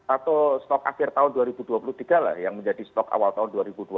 atau stok akhir tahun dua ribu dua puluh tiga lah yang menjadi stok awal tahun dua ribu dua puluh